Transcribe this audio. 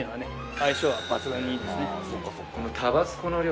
相性は抜群にいいですね